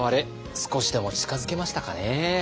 少しでも近づけましたかね。